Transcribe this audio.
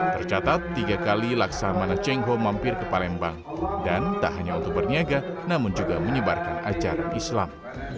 tercatat tiga kali laksamana cengho mampir ke palembang dan tak hanya untuk berniaga namun juga menyebarkan acara islam